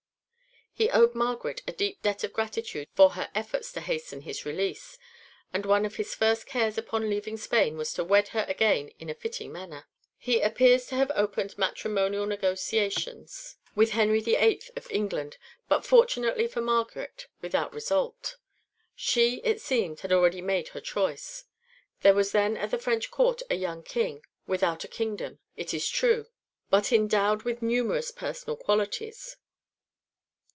He owed Margaret a deep debt of gratitude for her efforts to hasten his release, and one of his first cares upon leaving Spain was to wed her again in a fitting manner. He appears to have opened matrimonial negotiations with Henry VIII. of England, (1) but, fortunately for Margaret, without result. She, it seems, had already made her choice. There was then at the French Court a young King, without a kingdom, it is true, but endowed with numerous personal qualities.